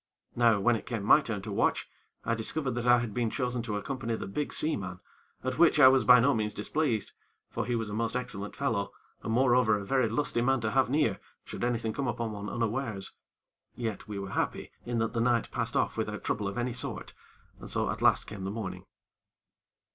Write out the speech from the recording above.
Now, when it came to my turn to watch, I discovered that I had been chosen to accompany the big seaman, at which I was by no means displeased; for he was a most excellent fellow, and moreover a very lusty man to have near, should anything come upon one unawares. Yet, we were happy in that the night passed off without trouble of any sort, and so at last came the morning.